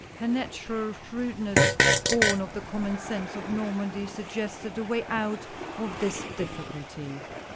Her natural shrewdness, born of the common sense of Normandy, suggested a way out of this difficulty.